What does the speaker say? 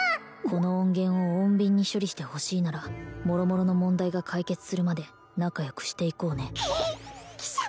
この音源を穏便に処理してほしいならもろもろの問題が解決するまで仲良くしていこうねき貴様